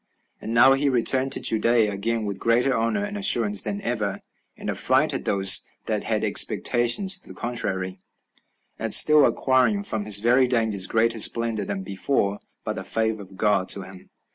And now he returned to Judea again with greater honor and assurance than ever, and affrighted those that had expectations to the contrary, as still acquiring from his very dangers greater splendor than before, by the favor of God to him.